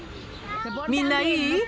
みんないい？